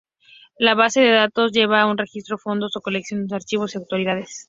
La base de datos lleva un registro de fondos o colecciones, archivos y autoridades.